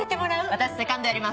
私セカンドやります。